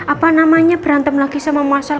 apa namanya berantem lagi sama muasal